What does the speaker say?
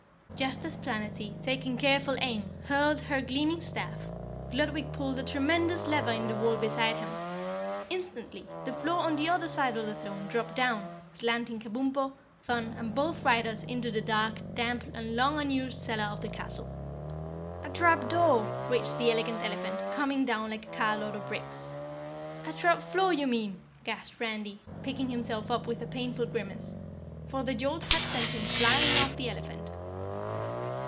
Just as Planetty, taking careful aim, hurled her gleaming staff, Gludwig pulled a tremendous lever in the wall beside him. Instantly the floor on the other side of the throne dropped down, slanting Kabumpo, Thun and both riders into the dark, damp and long unused cellar of the castle. "A trap door," raged the Elegant Elephant, coming down like a carload of bricks. "A trap floor, you mean," gasped Randy, picking himself up with a painful grimace, for the jolt had sent him flying off the elephant.